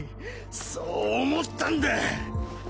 そう思ったんだ！